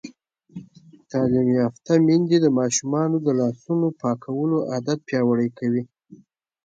تعلیم یافته میندې د ماشومانو د لاسونو پاکولو عادت پیاوړی کوي.